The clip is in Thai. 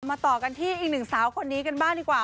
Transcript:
ต่อกันที่อีกหนึ่งสาวคนนี้กันบ้างดีกว่า